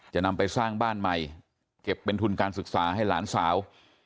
จะนำไปสร้างบ้านใหม่เก็บเป็นทุนการศึกษาให้หลานสาว